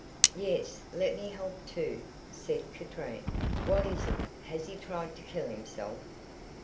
"Yes, let me help too," said Katrine. "What is it; has he tried to kill himself?"